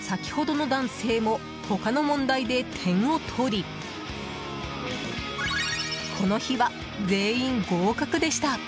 先ほどの男性も他の問題で点をとりこの日は全員合格でした。